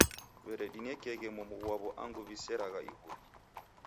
W'eredinekieghe momu ghwaw'o angu w'iseragha iguri.